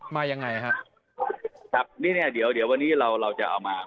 มายังไงฮะครับนี่เนี้ยเดี๋ยวเดี๋ยววันนี้เราเราจะเอามา